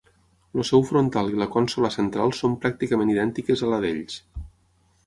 El seu frontal i la consola central són pràcticament idèntiques a la d'ells.